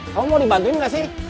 kamu mau dibantuin gak sih